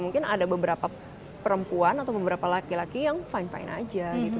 mungkin ada beberapa perempuan atau beberapa laki laki yang fine fine aja gitu